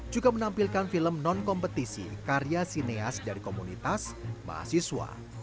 juga menampilkan film non kompetisi karya sineas dari komunitas mahasiswa